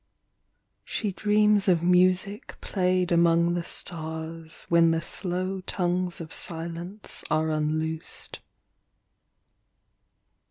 She dreams of music played among the stars When the slow tongues of silence are unloosed.